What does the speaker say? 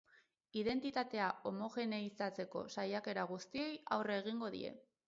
Identitatea homogeneizatzeko saiakera guztiei aurre egingo die.